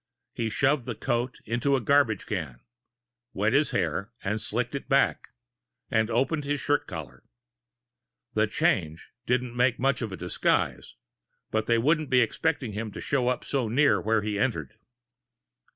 He shoved the coat into a garbage can, wet his hair and slicked it back, and opened his shirt collar. The change didn't make much of a disguise, but they wouldn't be expecting him to show up so near where he entered.